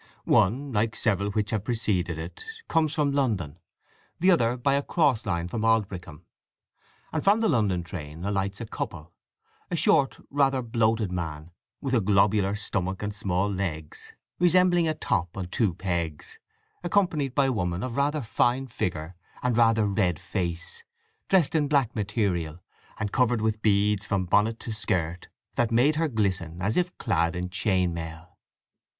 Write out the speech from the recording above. One, like several which have preceded it, comes from London: the other by a cross line from Aldbrickham; and from the London train alights a couple; a short, rather bloated man, with a globular stomach and small legs, resembling a top on two pegs, accompanied by a woman of rather fine figure and rather red face, dressed in black material, and covered with beads from bonnet to skirt, that made her glisten as if clad in chain mail.